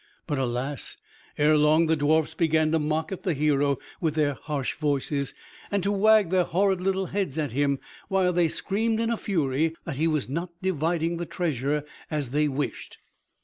But alas! ere long the dwarfs began to mock at the hero with their harsh voices, and to wag their horrid little heads at him, while they screamed in a fury that he was not dividing the treasure as they wished.